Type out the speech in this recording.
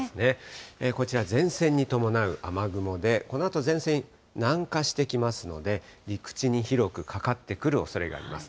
こちら、前線に伴う雨雲で、このあと前線、南下してきますので、陸地に広くかかってくるおそれがあります。